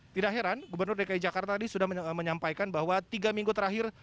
tidak heran gubernur dki jakarta tadi sudah menyampaikan bahwa tiga minggu terakhir